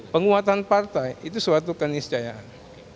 penguatan partai itu suatu keniscayaan